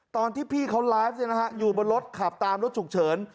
ตอนที่พี่เขาไลฟ์อยู่บนรถขับตามรถฉุกเฉิน